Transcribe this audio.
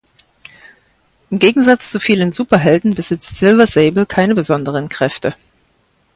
Im Gegensatz zu vielen Superhelden besitzt Silver Sable keine besonderen Kräfte.